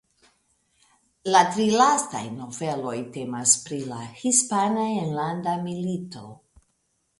La tri lastaj noveloj temas pri la Hispana Enlanda Milito.